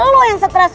lu yang stres